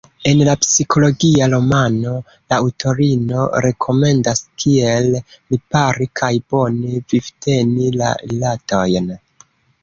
En la psikologia romano la aŭtorino rekomendas kiel ripari kaj bone vivteni la rilatojn.